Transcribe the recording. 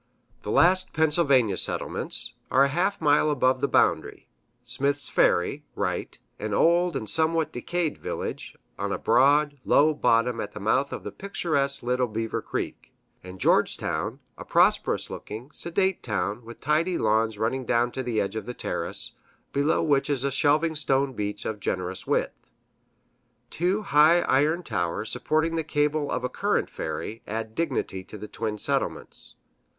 The last Pennsylvania settlements are a half mile above the boundary Smith's Ferry (right), an old and somewhat decayed village, on a broad, low bottom at the mouth of the picturesque Little Beaver Creek;[A] and Georgetown (left), a prosperous looking, sedate town, with tidy lawns running down to the edge of the terrace, below which is a shelving stone beach of generous width. Two high iron towers supporting the cable of a current ferry add dignity to the twin settlements.